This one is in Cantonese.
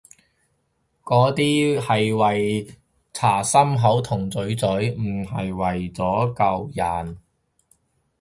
嗰啲係為搓心口同嘴嘴，唔係為咗救人